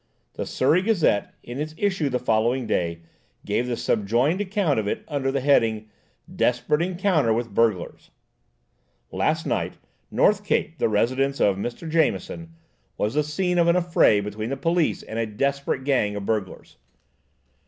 The Surrey Gazette, in its issue the following day, gave the subjoined account of it under the heading, "Desperate encounter with burglars." "Last night, 'North Cape,' the residence of Mr. Jameson, was the scene of an affray between the police and a desperate gang of burglars.